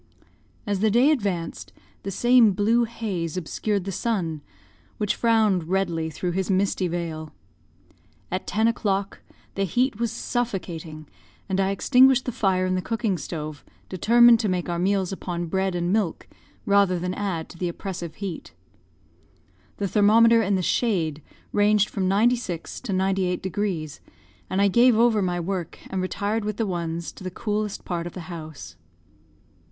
As the day advanced, the same blue haze obscured the sun, which frowned redly through his misty veil. At ten o'clock the heat was suffocating, and I extinguished the fire in the cooking stove, determined to make our meals upon bread and milk, rather than add to the oppressive heat. The thermometer in the shade ranged from ninety six to ninety eight degrees, and I gave over my work and retired with the little ones to the coolest part of the house.